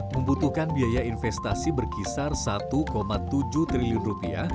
membutuhkan biaya investasi berkisar rp satu tujuh triliun rupiah